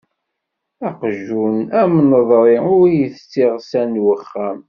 Aqjun anmeḍri ur itett iɣsan n uxxam.